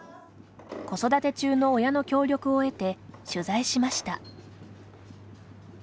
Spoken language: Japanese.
子育て中の親の協力を得て取材しました。